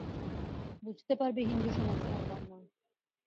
বুঝতে পারবে হিন্দুসমাজ মরবার নয়।